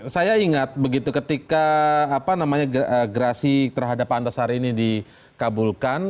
saya ingat begitu ketika gerasi terhadap pak antasari ini dikabulkan